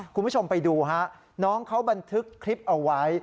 คุณผู้ชมไปดูฮะน้องเขาบันทึกคลิปเอาไว้